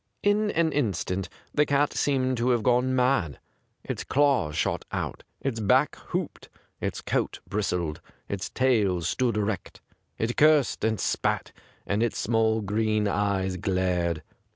In an instant the cat seemed to have gone mad. Its claws shot out, its back hooped, its coat bristled, its tail stood erect ; it cursed and spat, and its small green eyes glared.